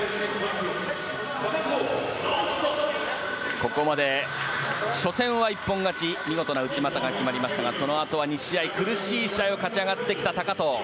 ここまで初戦は一本勝ち見事な内股が決まりましたがそのあとは２試合、苦しい試合を勝ち上がってきた高藤。